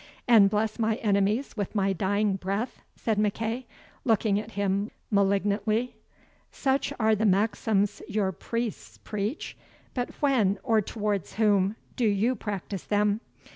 "And bless my enemies with my dying breath?" said MacEagh, looking at him malignantly. "Such are the maxims your priests preach but when, or towards whom, do you practise them?